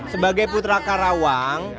sebagai putra karawang